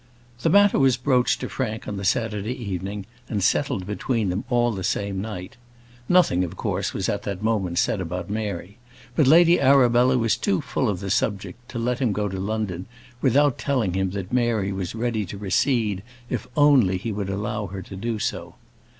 The matter was broached to Frank on the Saturday evening, and settled between them all the same night. Nothing, of course, was at that moment said about Mary; but Lady Arabella was too full of the subject to let him go to London without telling him that Mary was ready to recede if only he would allow her to do so.